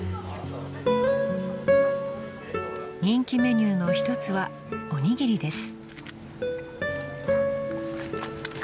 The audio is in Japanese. ［人気メニューの一つはおにぎりです］